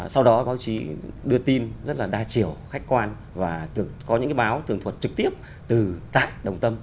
sau đó báo chí đưa tin rất là đa chiều khách quan và có những cái báo tường thuật trực tiếp từ tại đồng tâm